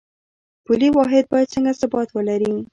پولي واحد باید څنګه ثبات ولري؟